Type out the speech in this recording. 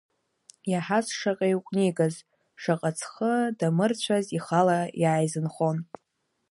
Иаҳаз шаҟа игәнигаз, шаҟа ҵхы дамырцәаз ихала иааизынхон.